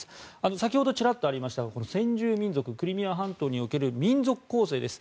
先ほどちらっとありましたが先住民族、クリミア半島における民族構成です。